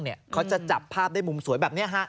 เขาจะจับภาพได้มุมสวยแบบนี้